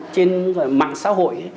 trên mạng xã hội